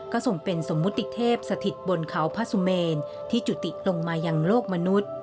ทรงเป็นสมมุติเทพสถิตบนเขาพระสุเมนที่จุติลงมายังโลกมนุษย์